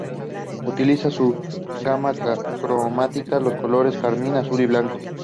Utiliza en su gama cromática los colores carmín, azul y blanco.